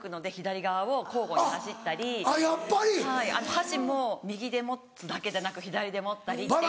箸も右で持つだけでなく左で持ったりっていう。